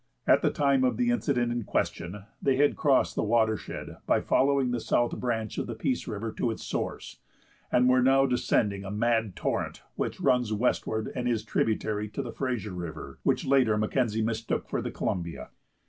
At the time of the incident in question, they had crossed the watershed by following the south branch of the Peace River to its source, and were now descending a mad torrent which runs westward, and is tributary to the Fraser River, which latter Mackenzie mistook for the Columbia.